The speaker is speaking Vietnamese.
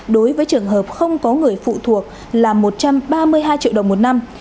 đối với trường hợp không có người phụ thuộc là một trăm ba mươi hai triệu đồng một năm